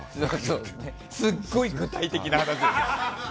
すごい具体的な話。